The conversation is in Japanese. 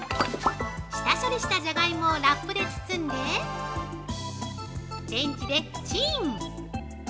◆下処理したジャガイモをラップで包んでレンジでチン！